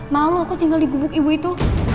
malu aku tinggal di gubuk ibu itu